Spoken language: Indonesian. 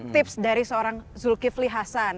tips dari seorang zulkifli hasan